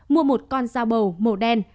mua một con dao bầu màu đen